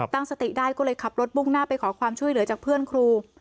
ตั้งสติได้ก็เลยขับรถมุ่งหน้าไปขอความช่วยเหลือจากเพื่อนครู